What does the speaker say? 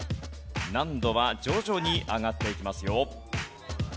難度は徐々に上がっていきますよ。